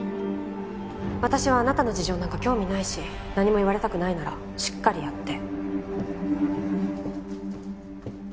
私はあなたの事情なんか興味ないし何も言われたくないならしっかりやって。